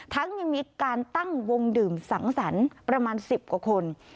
ยังมีการตั้งวงดื่มสังสรรค์ประมาณ๑๐กว่าคน